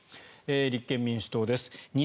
立憲民主党です。